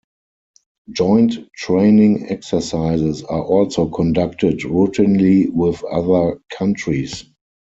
Joint training exercises are also conducted routinely with other countries.